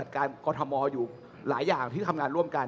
การกรทมอยู่หลายอย่างที่ทำงานร่วมกัน